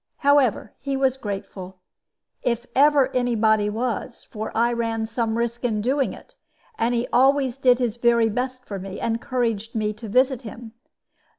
"However, he was grateful, if ever any body was, for I ran some risk in doing it; and he always did his very best for me, and encouraged me to visit him.